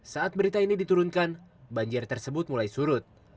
saat berita ini diturunkan banjir tersebut mulai surut